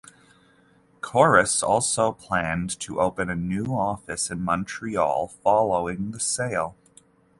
Corus also planned to open a new office in Montreal following the sale.